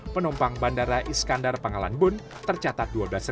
penumpang bandara iskandar pangkalan bun kabupaten kota waringin barat selasa siang